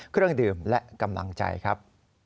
เครื่องดื่มและกำลังใจครับ